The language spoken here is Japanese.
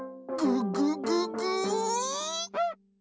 「ググググー」